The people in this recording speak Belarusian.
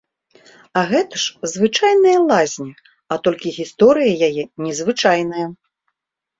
А гэта ж звычайная лазня, а толькі гісторыя яе незвычайная.